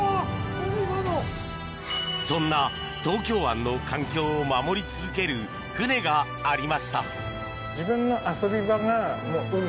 そんな東京湾の環境を守り続ける船がありました。